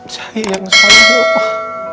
saya yang salah ya allah